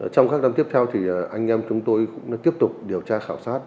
trong các năm tiếp theo thì anh em chúng tôi cũng tiếp tục điều tra khảo sát